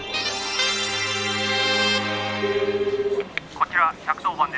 「こちら１１０番です。